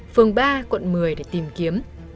phường ba quận một mươi để tìm kiếm